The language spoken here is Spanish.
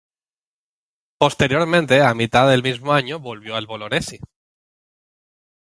Posteriormente, a mitad del mismo año volvió al Bolognesi.